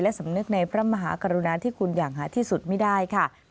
สำนึกในพระมหากรุณาที่คุณอย่างหาที่สุดไม่ได้ค่ะ